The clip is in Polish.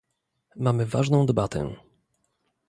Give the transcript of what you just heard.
Mamy ważną debatę